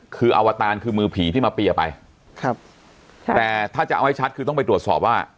คืออวตารคือมือผีที่มาเปียร์ไปครับค่ะแต่ถ้าจะเอาให้ชัดคือต้องไปตรวจสอบว่า